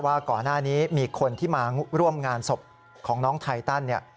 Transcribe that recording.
ว่าก่อนหน้านี้มีคนที่มาร่วมงานศพของน้องไทตันเนี่ย